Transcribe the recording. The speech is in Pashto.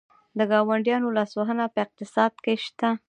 د ګاونډیانو لاسوهنه په اقتصاد کې شته؟